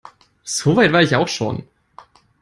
So weit war ich auch schon.